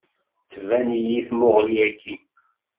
Tban-iyi tmuɣli akkin.